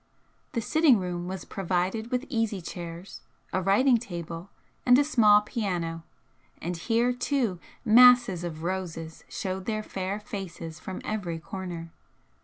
The sitting room was provided with easy chairs, a writing table, and a small piano, and here, too, masses of roses showed their fair faces from every corner.